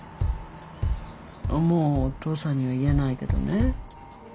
もうお父さんには言えないけどね。